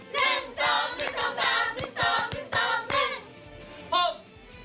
คุกคักคุกคัก๒๓คุกคัก